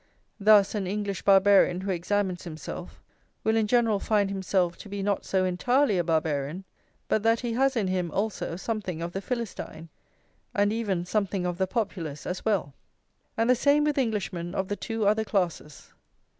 Thus, an English Barbarian who examines himself, will, in general, find himself to be not so entirely a Barbarian but that he has in him, also, something of the Philistine, and even something of the Populace as well. And the same with Englishmen of the two other classes.